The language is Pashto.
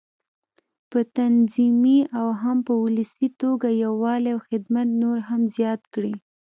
په تنظيمي او هم په ولسي توګه یووالی او خدمت نور هم زیات کړي.